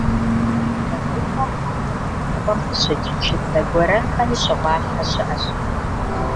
Вэдыщхъуэр хьэсэ зэпылъыпӏэм къыщыкӏ чыцэ гуэрэнхэми щыгъуалъхьэ щыӏэщ.